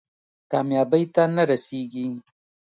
کامیابۍ ته نه رسېږي.